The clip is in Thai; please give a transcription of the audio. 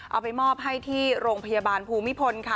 เอาไปมอบให้ที่โรงพยาบาลภูมิพลค่ะ